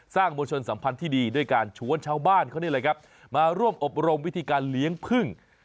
มวลชนสัมพันธ์ที่ดีด้วยการชวนชาวบ้านเขานี่แหละครับมาร่วมอบรมวิธีการเลี้ยงพึ่ง